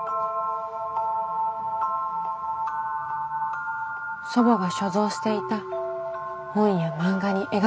祖母が所蔵していた本や漫画に描かれていた世界。